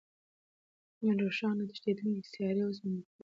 کمې روښانه او تښتېدونکې سیارې اوس موندل کېږي.